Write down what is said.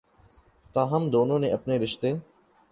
تاہم دونوں نے اپنے رشتے